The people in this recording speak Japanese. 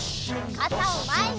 かたをまえに！